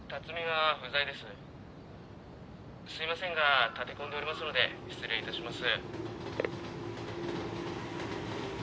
「すいませんが立て込んでおりますので失礼致します」